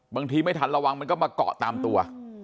ไม่ทันระวังมันก็มาเกาะตามตัว